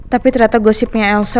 tapi ternyata gosipnya elsa